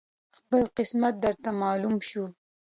خپل قسمت درته معلوم شو